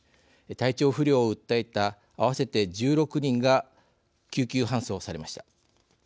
体調不良を訴えた合わせて１６人が救急搬送されました。